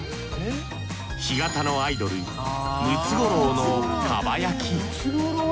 干潟のアイドルムツゴロウの蒲焼。